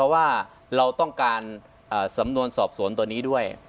ว่าเราต้องการสำนวนสอบสวนตัวนี้ด้วย